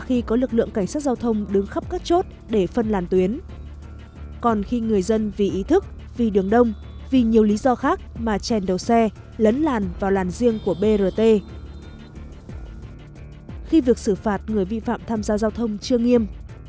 khi việc xử phạt người bị phạm tham gia giao thông chưa nghiêm